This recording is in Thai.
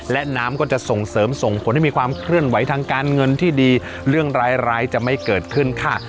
และน้ำก็จะส่งเสริมส่งผลให้มีความเคลื่อนไหวทางการเงินที่ดีเรื่องร้ายจะไม่เกิดขึ้นค่ะ